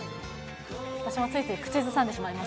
私もついつい口ずさんでしまいます。